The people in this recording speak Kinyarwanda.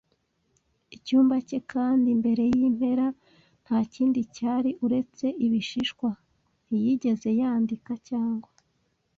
icyumba cye, kandi, mbere yimpera, ntakindi cyari uretse ibishishwa. Ntiyigeze yandika cyangwa